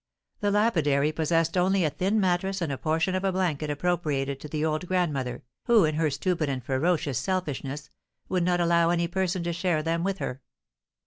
The lapidary possessed only a thin mattress and a portion of a blanket appropriated to the old grandmother, who, in her stupid and ferocious selfishness, would not allow any person to share them with her.